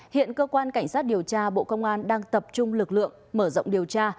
hiện cơ quan cảnh sát điều tra bộ công an đang tập trung lực lượng mở rộng điều tra